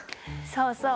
そうそう。